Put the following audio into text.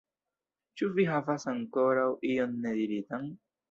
Ĉu vi havas ankoraŭ ion nediritan?